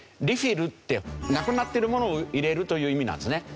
リフィルってなくなってるものを入れるという意味なんですね。